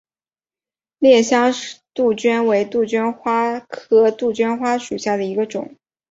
烈香杜鹃为杜鹃花科杜鹃花属下的一个种。